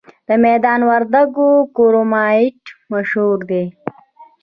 د میدان وردګو کرومایټ مشهور دی؟